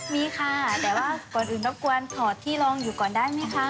มีค่ะแต่ว่าก่อนอื่นรบกวนถอดที่ลองอยู่ก่อนได้ไหมคะ